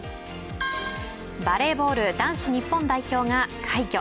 バレーボール男子日本代表が快挙。